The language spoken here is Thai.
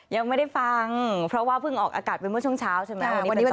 ยังไม่ได้ฟังเพราะว่าเพิ่งออกอากาศไปเมื่อช่วงเช้าใช่ไหม